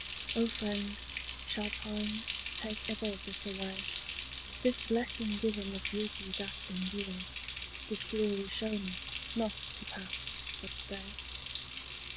O friend, shall time take ever this away, This blessing given of beauty that endures, This glory shown us, not to pass but stay?